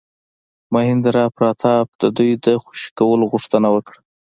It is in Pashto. مهیندراپراتاپ د دوی د خوشي کولو غوښتنه وکړه.